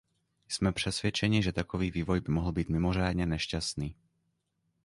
Jsme přesvědčeni, že takový vývoj by mohl být mimořádně nešťastný.